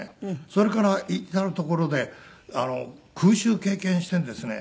それから至る所で「空襲経験してるんですね」